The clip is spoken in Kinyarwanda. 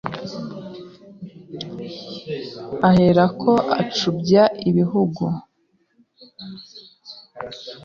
Ahera ko acubya ibihugu